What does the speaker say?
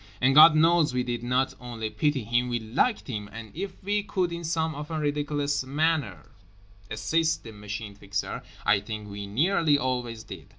And God knows we did not only pity him, we liked him—and if we could in some often ridiculous manner assist the Machine Fixer I think we nearly always did.